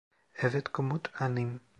Evet komutanım.